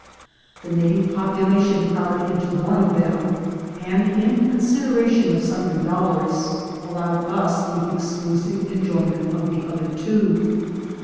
The native population crowded into one of them, and, in consideration of sundry dollars, allowed us the exclusive enjoyment of the other two.